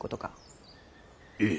ええ。